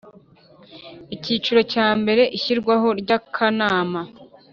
Akiciro ka mbere Ishyirwaho ry Akanama